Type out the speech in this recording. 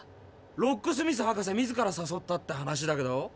ロックスミス博士自らさそったって話だけど？